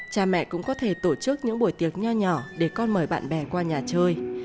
cha mẹ cũng có thể tổ chức những buổi tiệc nhỏ nhỏ để con mời bạn bè qua nhà chơi